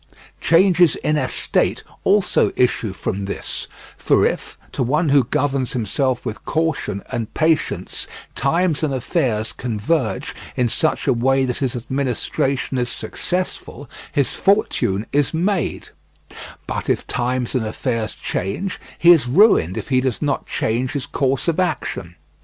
Changes in estate also issue from this, for if, to one who governs himself with caution and patience, times and affairs converge in such a way that his administration is successful, his fortune is made; but if times and affairs change, he is ruined if he does not change his course of action.